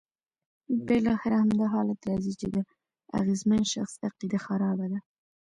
بالاخره همدا حالت راځي چې د اغېزمن شخص عقیده خرابه ده.